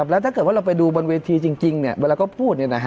แล้วถ้าเราไปดูบนเวทีจริงเวลาก็พูด